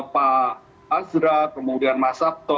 pa azra kemudian mas sato